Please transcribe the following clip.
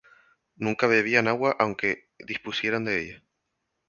Nunca bebían agua aunque dispusieran de ella.